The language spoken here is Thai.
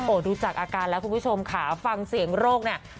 โอ้โหดูจากอาการแล้วคุณผู้ชมค่ะฟังเสียงโรคเนี่ย